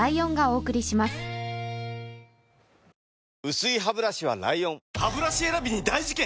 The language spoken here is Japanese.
薄いハブラシは ＬＩＯＮハブラシ選びに大事件！